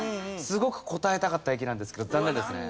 すごく答えたかった駅なんですけど残念ですね。